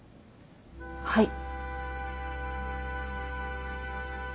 はい。